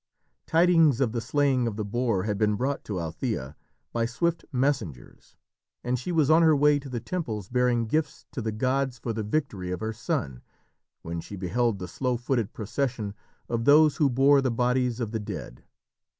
Tidings of the slaying of the boar had been brought to Althæa by swift messengers, and she was on her way to the temples bearing gifts to the gods for the victory of her son, when she beheld the slow footed procession of those who bore the bodies of the dead.